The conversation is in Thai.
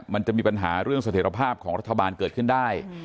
มันจะมีปัญหาเรื่องเสถียรภาพของรัฐบาลเกิดขึ้นได้